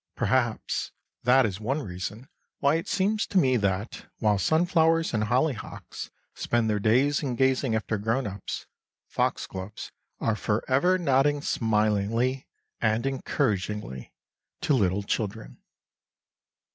Perhaps that is one reason why it seems to me that, while sunflowers and hollyhocks spend their days in gazing after grown ups, foxgloves are for ever nodding smilingly and encouragingly to little children.